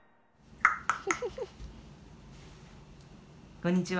こんにちは。